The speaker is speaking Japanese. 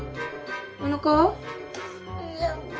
おなかは？